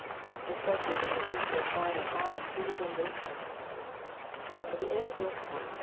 Especially when the thing goes on and on through the generations. But the end will come.